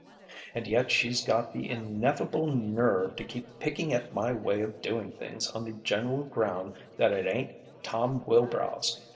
And yet she's got the ineffable nerve to keep picking at my way of doing things on the general ground that it ain't Tom Wilbrow's.